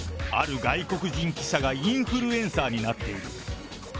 ある外国人記者がインフルエンサーになっている。